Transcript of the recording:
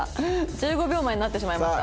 １５秒前になってしまいました。